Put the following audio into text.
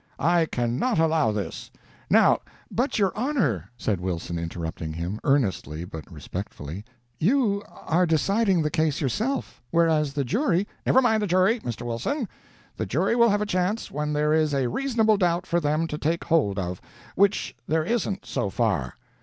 I can not allow this. Now " "But, your honor!" said Wilson, interrupting him, earnestly but respectfully, "you are deciding the case yourself, whereas the jury " "Never mind the jury, Mr. Wilson; the jury will have a chance when there is a reasonable doubt for them to take hold of which there isn't, so far.